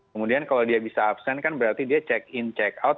kemudian kalau dia bisa absen kan berarti dia check in check out